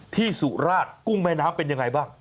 ที่สุราชกุ้งแม่น้ำเป็นอย่างไรบ้าง